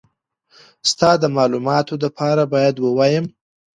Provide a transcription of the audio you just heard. ستا د مالوماتو دپاره بايد ووايم.